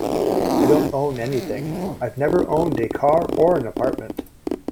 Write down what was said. I don't own anything -- I've never owned a car or an apartment.